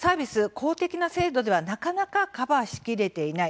公的な制度ではなかなかカバーしきれていない。